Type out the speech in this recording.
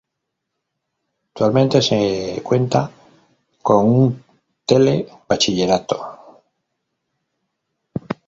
Actualmente se cuenta con un tele bachillerato.